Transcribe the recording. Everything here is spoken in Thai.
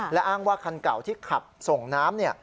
และอ้างว่าคันเก่าที่ขับส่งน้ำ